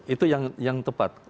itu yang tepat